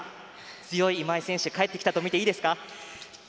強い今井選手が帰ってきたとみていいですか？